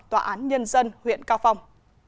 tòa án nhân dân huyện cao phòng